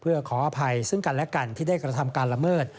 เพื่อขออภัยซึ่งกันและกันที่ได้กระทำการละเมิด